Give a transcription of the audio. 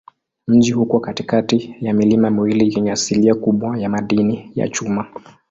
Mji uko katikati ya milima miwili yenye asilimia kubwa ya madini ya chuma.